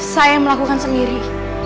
saya yang melakukan sendiri